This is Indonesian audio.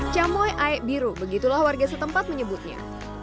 camoy aek biru begitulah warga setempat menyebutnya